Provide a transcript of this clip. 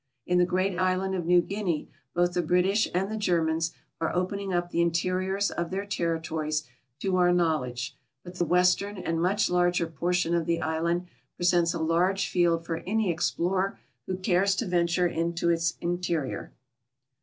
In the great island of New Guinea both the British and the (ier mans are ojiening uj) the interiors of their territories to our knowl edge, but the western and much larger portion of the island pre sents a large field for an} explorer who cares to venture intt) its interior.